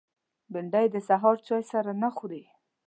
بېنډۍ د سهار چای سره نه خوري